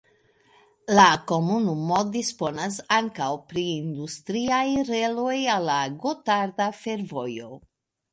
La komunumo disponas ankaŭ pri industriaj reloj al la Gotardo-Fervojo.